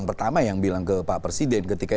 pertama yang bilang ke pak presiden ketika